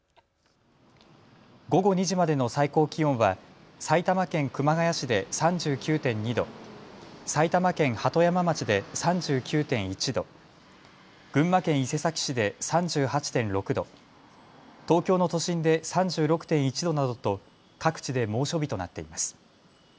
午後２時までの最高気温は埼玉県熊谷市で３９．２度、埼玉県鳩山町で３９．１度、群馬県伊勢崎市で３８．６度、東京の都心で３６．１度などと各地で猛暑日となっています。